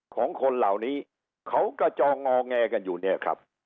ของคนเหล่านี้เขากระจองงอแงกันอยู่เนี่ยครับ